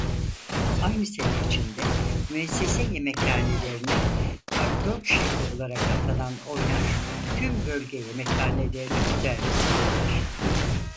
Aynı sene içinde müessese yemekhanelerine tabldot şefi olarak atanan Oynar tüm bölge yemekhanelerini modernize eder.